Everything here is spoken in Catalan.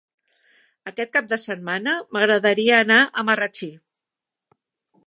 Aquest cap de setmana m'agradaria anar a Marratxí.